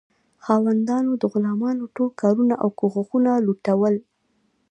خاوندانو د غلامانو ټول کارونه او کوښښونه لوټول.